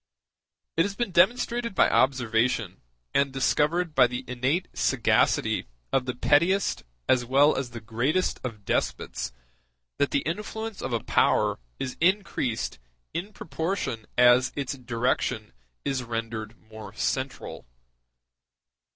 It has been demonstrated by observation, and discovered by the innate sagacity of the pettiest as well as the greatest of despots, that the influence of a power is increased in proportion as its direction is rendered more central.